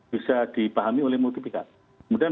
bisa dipahami oleh multi pihak kemudian